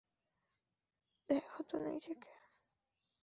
দ্যাখো তো নিজেকে।